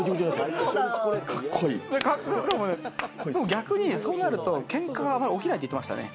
逆にそうなると喧嘩は起きないって言ってましたね。